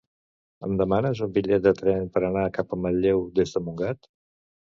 Em demanes un bitllet de tren per anar cap a Manlleu des de Montgat?